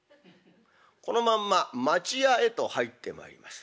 このまんま待合へと入ってまいります。